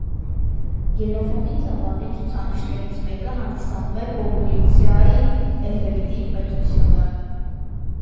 Գենոֆոնդի ծավալի ցուցանիշներից մեկը հանդիսանում է պոպուլյացիայի էֆեկտիվ մեծությունը։